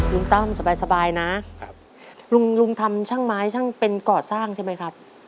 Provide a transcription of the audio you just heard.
ตั้มสบายนะครับลุงลุงทำช่างไม้ช่างเป็นก่อสร้างใช่ไหมครับ